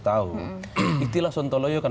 tahu istilah sontoloyo kan